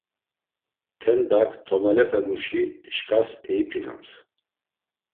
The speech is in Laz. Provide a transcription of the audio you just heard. Tendak tomalepemuşi şkas eipinams.